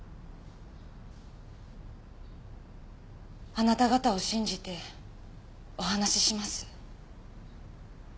あなた方を信じてお話しします。